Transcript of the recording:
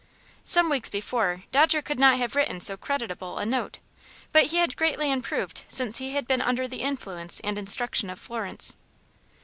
Some weeks before Dodger could not have written so creditable a note, but he had greatly improved since he had been under the influence and instruction of Florence.